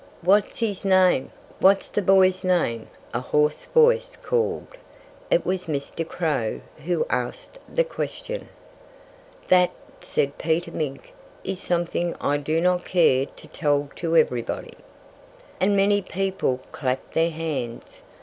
"What's his name? What's the poor boy's name?" a hoarse voice called. It was Mr. Crow who asked the question. "That," said Peter Mink, "is something I do not care to tell to everybody." And many people clapped their hands.